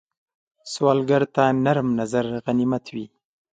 سوالګر ته نرم نظر غنیمت وي